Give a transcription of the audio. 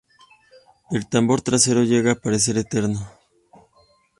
El tambor trasero llega a parecer "eterno".